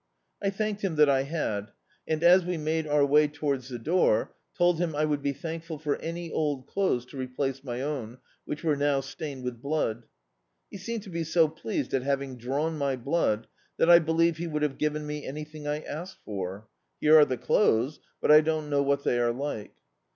I thanked him that I had and, as we made our way towards the house, told him I would be thankful for any old clothes to replace my own, which were now stained with blood. He seemed to be so pleased at having drawn my blood that I believe he would have given me anyliiing I asked for. Here are the clothes, but I don't know what they are like."